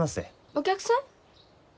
お客さん？